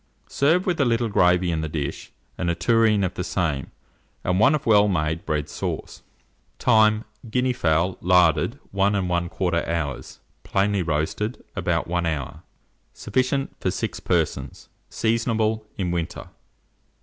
Serve with a little gravy in the dish, and a tureen of the same, and one of well made bread sauce. Time. Guinea fowl, larded, 1 1/4 hour; plainly roasted, about 1 hour. Sufficient for 6 persons. Seasonable in winter.